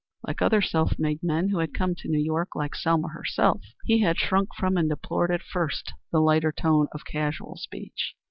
Like other self made men who had come to New York like Selma herself he had shrunk from and deplored at first the lighter tone of casual speech.